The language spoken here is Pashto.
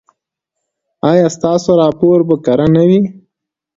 ایا ستاسو راپور به کره نه وي؟